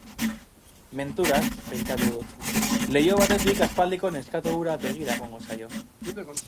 Menturaz, pentsatu dut, leiho batetik aspaldiko neskato hura begira egongo zaio.